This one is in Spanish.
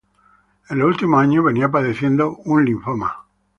En los últimos años, venía padeciendo un linfoma.